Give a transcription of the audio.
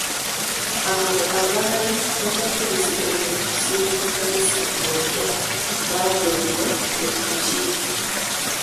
Abo abaali batakiriziganya na kuzimba kkanisa mpya baagobebwa ku kakiiko.